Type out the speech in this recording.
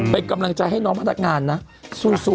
เป็นกำลังใจให้น้องพนักงานนะสู้